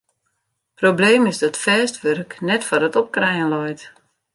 Probleem is dat fêst wurk net foar it opkrijen leit.